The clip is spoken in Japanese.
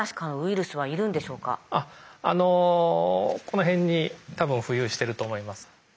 この辺に多分浮遊してると思います。